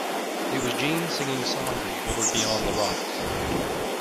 It was Jeanne singing softly over beyond the rocks.